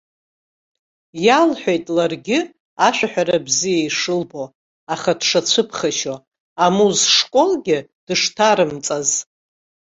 Иалҳәеит ларгьы ашәаҳәара бзиа ишылбо, аха дшацәыԥхашьо, амузшколагьы дышҭарымҵаз.